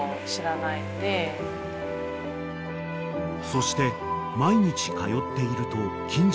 ［そして毎日通っていると］